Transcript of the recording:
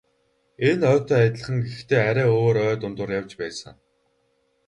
Энэ ойтой адилхан гэхдээ арай өөр ой дундуур явж байсан.